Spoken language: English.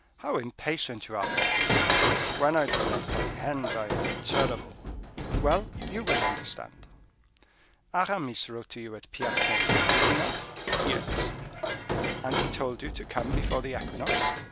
how impatient you are, Porthos." "When I do not comprehend, I am terrible." "Well, you will understand. Aramis wrote to you at Pierrefonds, did he not?" "Yes." "And he told you to come before the equinox."